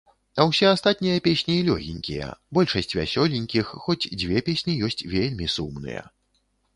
А ўсе астатнія песні лёгенькія, большасць вясёленькіх, хоць, дзве песні ёсць вельмі сумныя.